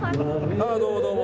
ああ、どうもどうも。